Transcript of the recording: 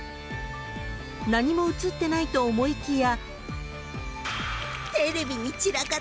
［何もうつってないと思いきや］